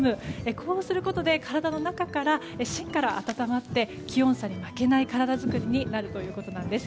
こうすることで体の芯から温まって気温差に負けない体づくりになるということです。